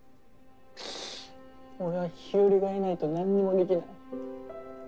俺は日和がいないとなんにもできない。